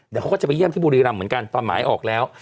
เดี๋ยวเขาก็จะไปเยี่ยมที่บุรีรำเหมือนกันตอนหมายออกแล้ว